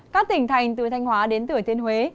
các tỉnh thành từ thanh hóa đến thừa thiên huế